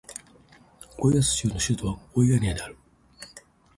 ゴイアス州の州都はゴイアニアである